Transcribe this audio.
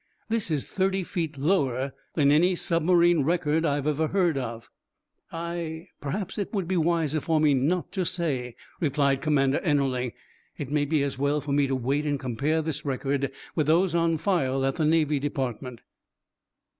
"This is thirty feet lower than any submarine record I've ever heard of." "I perhaps it would be wiser for me not to say," replied Commander Ennerling. "It may be as well for me to wait and compare this record with those on file at the Navy Department."